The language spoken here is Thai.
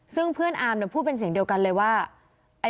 ซึ่งเพื่อนอาร์มพูดเป็นเสียงเดียวกันเลยว่า